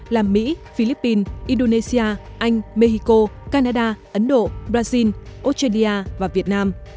là mỹ philippines indonesia anh mexico canada ấn độ brazil australia và việt nam